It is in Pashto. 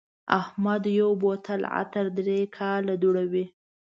احمد یو بوتل عطر درې کاله دوړوي.